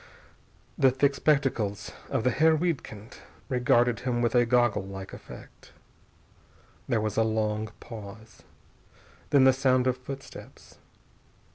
The thick spectacles of the Herr Wiedkind regarded him with a gogglelike effect. There was a long pause. Then the sound of footsteps.